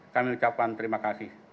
kami ucapkan terima kasih